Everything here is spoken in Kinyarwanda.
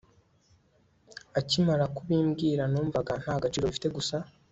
akimara kubimbwira numvaga ntagaciro bifite gusa